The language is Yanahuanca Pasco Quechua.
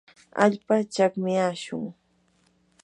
allpata chakmyashun.